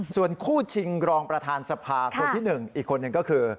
ส่วนคู่ชิงรองประธานสภาคนที่๑อีกคนหนึ่งก็คือ